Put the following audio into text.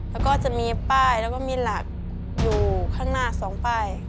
แล้วก็จะมีป้ายแล้วก็มีหลักอยู่ข้างหน้า๒ป้าย